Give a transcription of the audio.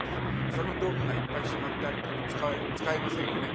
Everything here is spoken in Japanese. その道具がいっぱいしまってあるから使えませんよね。